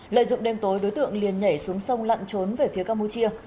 lợi dụng đêm tối đối tượng liền nhảy xuống sông lặn trốn về phía campuchia